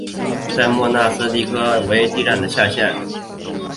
在莫纳斯蒂拉基站至阿蒂基站为地下线。